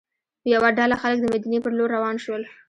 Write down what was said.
یوه ډله خلک د مدینې پر لور روان شول.